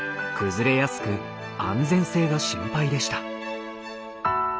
崩れやすく安全性が心配でした。